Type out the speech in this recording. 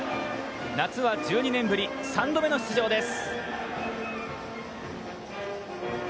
夏は１２年ぶり３度目の出場です。